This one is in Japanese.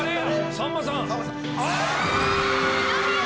さんまさん？